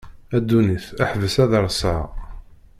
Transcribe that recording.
A ddunit ḥbes ad rseɣ.